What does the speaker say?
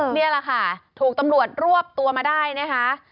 นี่แหละค่ะถูกตำรวจรวบตัวมาได้นะคะ